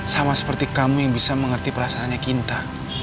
sama seperti kamu yang bisa mengerti perasaannya cinta